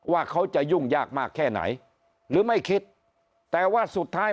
ว่าเขาจะยุ่งยากมากแค่ไหนหรือไม่คิดแต่ว่าสุดท้าย